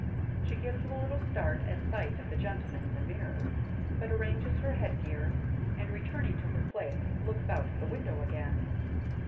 She gives a little start at sight of the gentleman in the mirror, but arranges her head gear, and returning to her place looks out of the window again.